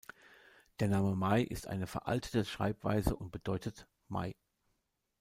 Der Name "May" ist eine veraltete Schreibweise und bedeutet „Mai“.